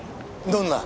どんな？